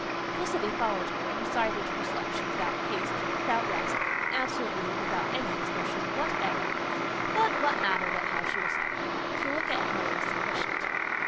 Felicity followed her and recited her selection without haste, without rest, and absolutely without any expression whatever. But what mattered it how she recited? To look at her was sufficient.